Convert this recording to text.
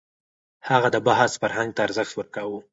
هغه د بحث فرهنګ ته ارزښت ورکاوه.